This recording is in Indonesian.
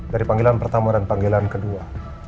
dari panggilan pertama dan panggilan kedua